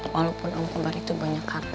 walaupun om kobar itu banyak hartanya